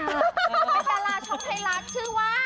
ดาราช่องให้รักชื่อว่า